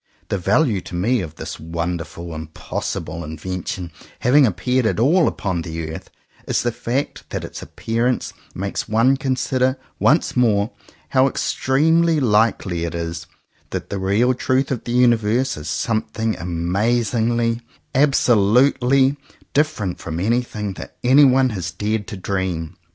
The value to me of this wonderful impossible invention having appeared at all upon the earth, is the fact that its appearance makes one consider once more, how extremely likely it is that the real truth of the universe is something amazingly, absolutely different from anything that anyone has dared to dream.